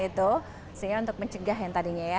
sehingga untuk mencegah yang tadinya ya